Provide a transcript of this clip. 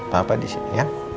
papa disini ya